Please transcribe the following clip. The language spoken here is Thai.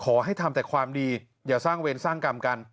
ขอให้ทำแต่ความดีอย่าสร้างเวรสร้างกรรมกัน